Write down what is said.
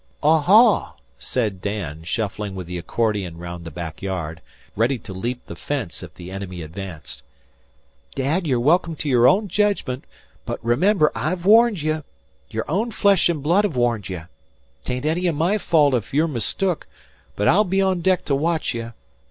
"Oho!" said Dan, shuffling with the accordion round the backyard, ready to leap the fence if the enemy advanced. "Dad, you're welcome to your own judgment, but remember I've warned ye. Your own flesh an' blood ha' warned ye! 'Tain't any o' my fault ef you're mistook, but I'll be on deck to watch ye.